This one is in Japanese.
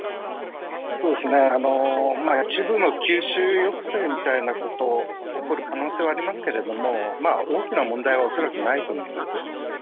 吸収抑制みたいなことが起こる可能性がありますが大きな問題はないと思います。